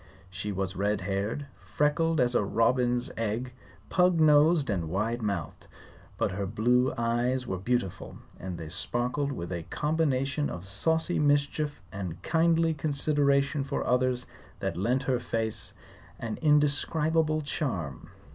She was red haired, freckled as a robin's egg, pug nosed and wide mouthed. But her blue eyes were beautiful, and they sparkled with a combination of saucy mischief and kindly consideration for others that lent her face an indescribable charm.